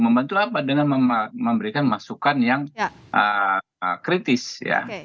membantu apa dengan memberikan masukan yang kritis ya